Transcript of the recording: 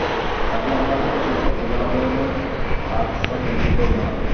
তাঁকে আমার অশেষ শ্রদ্ধা জানাবে এবং আর সব বন্ধুকেও জানাবে।